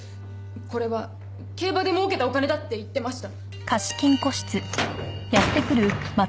これは競馬でもうけたお金だって言ってました。